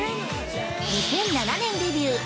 ２００７年デビュー。